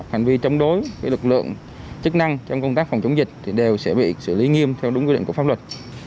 hành vi chống đối với lực lượng chức năng trong công tác phòng chống dịch thì đều sẽ bị xử lý nghiêm theo đúng quy định của pháp luật